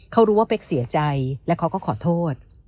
เขารู้ว่าเป๊กเสียใจและเขาก็ขอโทษ